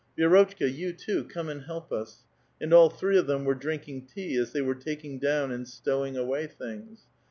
*' Vi^rotchka, you, too, come and help us." And all three of them were drinking tea, as they were takins: down Bind stowing away things.